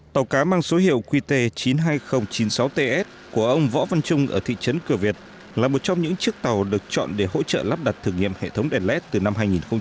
tàu cá mang số hiệu qt chín mươi hai nghìn chín mươi sáu ts của ông võ văn trung ở thị trấn cửa việt là một trong những chiếc tàu được chọn để hỗ trợ lắp đặt thử nghiệm hệ thống đèn led từ năm hai nghìn một mươi